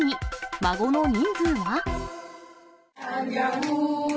孫の人数は？